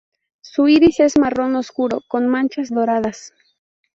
Su iris es marrón oscuro, con manchas doradas.